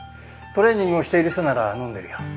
トレーニングをしている人なら飲んでるよ。